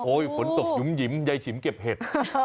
โอ้ยฝนตกหยุ่มหยิมใยฉิ๋มเก็บเห็ด